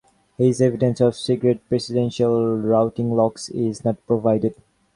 His evidence of "secret presidential routing logs" is not provided.